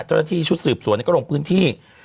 เจ้าหน้าที่ชุดสืบสวนก็ลงพื้นที่